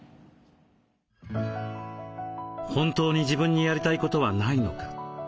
本当に自分にやりたいことはないのか？